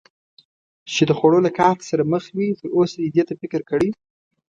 چې د خوړو له قحط سره مخ وي، تراوسه دې دې ته فکر کړی؟